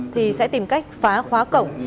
thì sẽ tìm cách phá khóa cổng